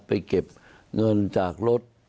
ไปเก็บเงินจากรถ